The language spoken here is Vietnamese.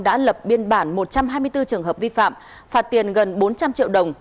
đã lập biên bản một trăm hai mươi bốn trường hợp vi phạm phạt tiền gần bốn trăm linh triệu đồng